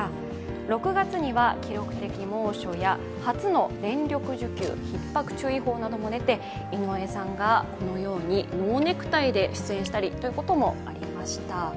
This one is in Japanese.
６月には記録的猛暑や、初の電力需給のひっ迫注意報なども出て井上さんがノーネクタイで出演したりということもありました。